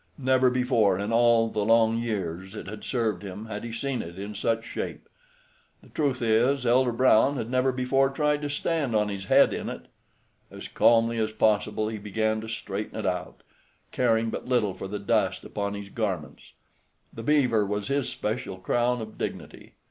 Never before in all the long years it had served him had he seen it in such shape. The truth is, Elder Brown had never before tried to stand on his head in it. As calmly as possible he began to straighten it out, caring but little for the dust upon his garments. The beaver was his special crown of dignity.